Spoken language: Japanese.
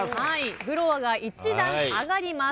フロアが１段上がります。